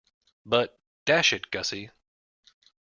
But, dash it, Gussie.